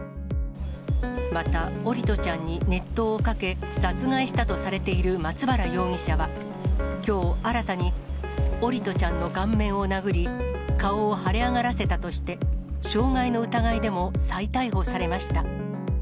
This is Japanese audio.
また、桜利斗ちゃんに熱湯をかけ、殺害したとされている松原容疑者は、きょう、新たに桜利斗ちゃんの顔面を殴り、顔を腫れ上がらせたとして傷害の疑いでも再逮捕されました。